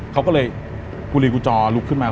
เขาก็เลยกุลีกูจอลุกขึ้นมา